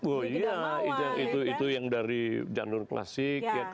oh iya itu yang dari jalur klasik